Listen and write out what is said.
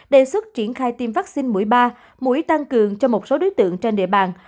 đề xuất triển khai tiêm vaccine mũi ba mũi tăng cường cho một số đối tượng trên địa bàn